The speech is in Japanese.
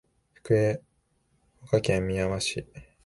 福岡県みやま市